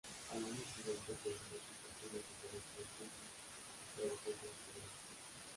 Al año siguiente, terminó sus estudios de Derecho en Dublín y trabajó como periodista.